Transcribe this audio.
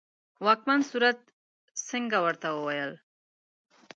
واکمن سورت سینګه ورته وویل.